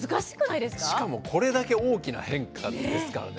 しかもこれだけ大きな変化ですからね